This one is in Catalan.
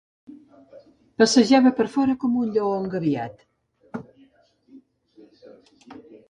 Passejava per fora com un lleó engabiat.